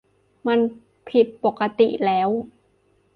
มันผิดปกติแล้ว